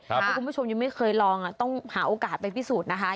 ถ้าคุณผู้ชมยังไม่เคยลองต้องหาโอกาสไปพิสูจน์นะคะ